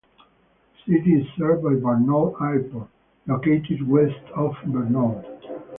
The city is served by Barnaul Airport, located west of Barnaul.